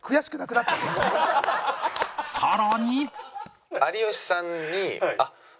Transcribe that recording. さらに